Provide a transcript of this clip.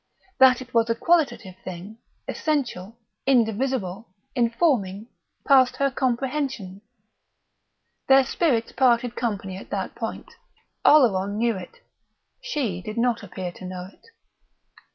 That it was a qualitative thing, essential, indivisible, informing, passed her comprehension. Their spirits parted company at that point. Oleron knew it. She did not appear to know it.